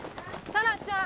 沙羅ちゃん